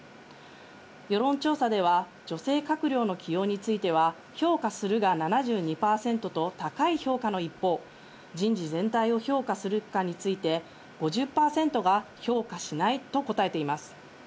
世論調査では女性閣僚の起用については評価するが７２％と高い評価の一方、人事全体を評価するかについて、５０％が評価しないと答えています。